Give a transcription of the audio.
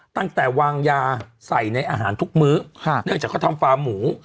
ตั้งแต่วางยาใส่ในอาหารทุกมื้อเนื่องจากเขาทำฟาร์หมู